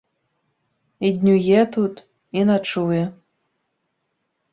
І днюе тут, і начуе.